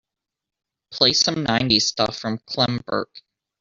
Play some nineties stuff from Clem Burke.